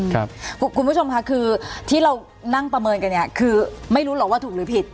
คุณผู้ชมค่ะคือที่เรานั่งประเมินกันเนี่ยคือไม่รู้หรอกว่าถูกหรือผิด